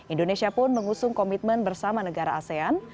indonesia pun mengusung komitmen bersama negara asean